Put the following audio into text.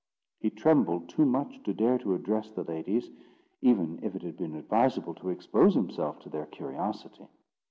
He trembled too much to dare to address the ladies, even if it had been advisable to expose himself to their curiosity.